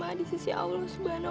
yang lebih cantik sebut saja